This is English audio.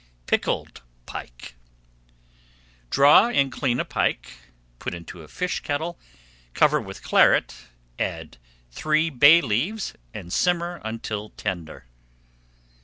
PICKLED PIKE Draw and clean a pike, put into a fish kettle, cover with Claret, add three bay leaves, and simmer until tender.